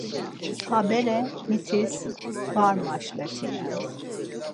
Ha bere mitis var maşletinen.